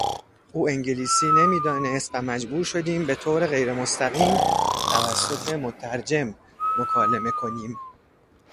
او انگلیسی نمیدانست و مجبور شدیم به طور غیرمستقیم توسط مترجم مکالمه کنیم.